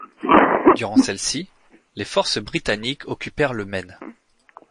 Durant celle-ci, les forces britanniques occupèrent le Maine.